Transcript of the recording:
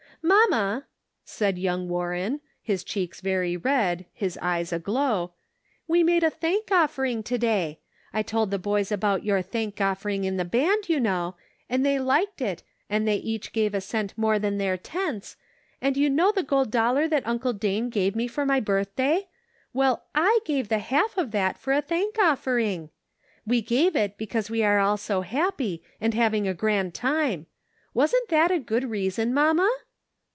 " Mamma," said young Warren, his cheeks very red, his eyes aglow; "we made a thank offering to day. I told the boys about your thank offering in the Band, you know, and they liked it, and they each gave a cent more than their tenths, and you know the gold dollar that Uncle Dane gave me for my birthday ; well, I gave the half of that for a thank offering. We gave it because we are all so happy, and having a grand time. Wasn't that a good reason, mamma